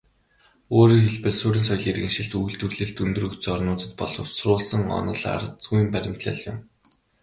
Өөрөөр хэлбэл, суурин соёл иргэншилт, үйлдвэрлэл өндөр хөгжсөн орнуудад боловсруулсан онол аргазүйн баримтлал юм.